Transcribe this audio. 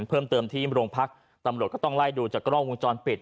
เพิ่มเติมที่โรงพักตำรวจก็ต้องไล่ดูจากกล้องวงจรปิด